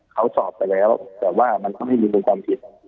เขาสอบไปแล้วแต่ว่ามันก็ไม่มีมูลความผิด